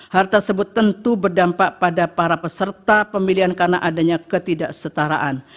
hal tersebut tentu berdampak pada para peserta pemilihan karena adanya ketidaksetaraan